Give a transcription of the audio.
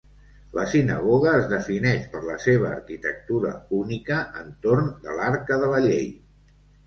La sinagoga es defineix per la seva arquitectura única entorn de l'Arca de la llei.